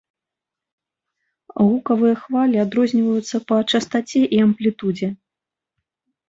Гукавыя хвалі адрозніваюцца па частаце і амплітудзе.